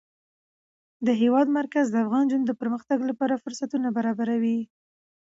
د هېواد مرکز د افغان نجونو د پرمختګ لپاره فرصتونه برابروي.